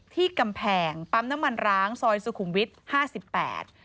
ที่กำแพงปั๊มน้ำมันร้างซอยสุขุมวิทย์ห้าสิบแปด